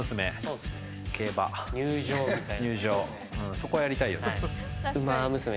そこやりたいよね。